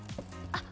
あっ